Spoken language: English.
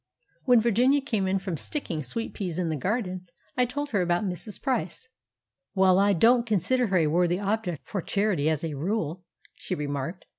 When Virginia came in from "sticking" sweet peas in the garden, I told her about Mrs. Price. "Well, I don't consider her a worthy object for charity as a rule," she remarked.